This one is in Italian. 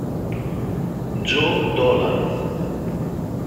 Joe Dolan